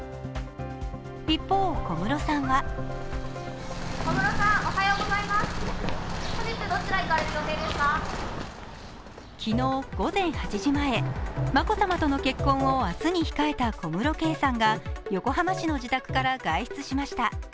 一方、小室さんは昨日午前８時前、眞子さまとの結婚を明日に控えた小室圭さんは小室圭さんが横浜市の自宅から外出しました。